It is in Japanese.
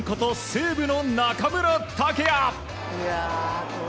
西武の中村剛也。